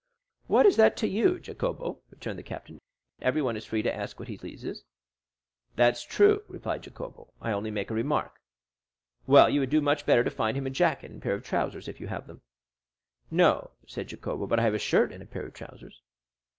"What is that to you, Jacopo?" returned the Captain. "Everyone is free to ask what he pleases." "That's true," replied Jacopo; "I only make a remark." "Well, you would do much better to find him a jacket and a pair of trousers, if you have them." "No," said Jacopo; "but I have a shirt and a pair of trousers."